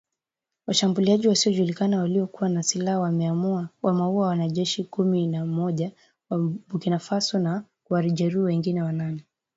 Washambuliaji wasiojulikana waliokuwa na silaha wamewaua wanajeshi kumi na mmoja wa Burkina Faso na kuwajeruhi wengine wanane